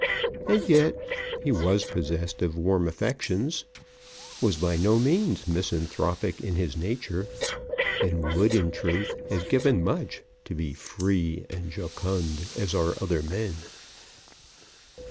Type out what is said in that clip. And yet he was possessed of warm affections, was by no means misanthropic in his nature, and would, in truth, have given much to be able to be free and jocund as are other men.